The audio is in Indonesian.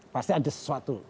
pasti ada sesuatu